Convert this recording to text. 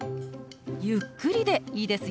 ゆっくりでいいですよ。